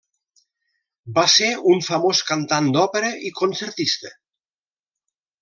Va ser un famós cantant d'òpera i concertista.